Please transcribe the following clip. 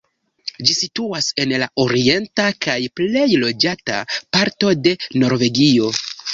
Ĝi situas en la orienta kaj plej loĝata parto de Norvegio.